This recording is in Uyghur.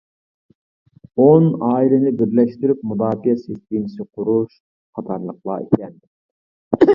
«ئون ئائىلىنى بىرلەشتۈرۈپ مۇداپىئە سىستېمىسى قۇرۇش» قاتارلىقلار ئىكەن.